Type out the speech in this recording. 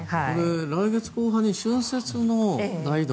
来月後半に春節の大移動